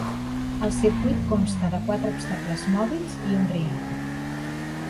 El circuit consta de quatre obstacles mòbils i un rial.